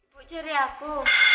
bu cari aku